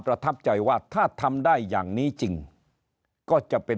ประทับใจว่าถ้าทำได้อย่างนี้จริงก็จะเป็น